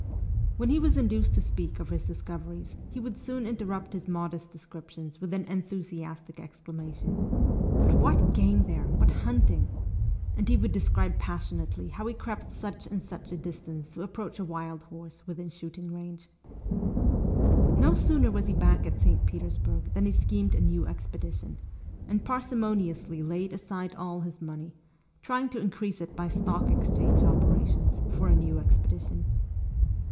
When he was induced to speak of his discoveries he would soon interrupt his modest descriptions with an enthusiastic exclamation :' But what game there ! What hunting !...' and he would describe passion ately how he crept such and such a distance to approach a wild horse within shooting range. No sooner was he back at St. Petersburg than he schemed a new expedition, and parsimoniously laid aside all his money, trying to increase it by Stock Exchange opera tions, for a new expedition.